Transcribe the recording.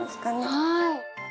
はい。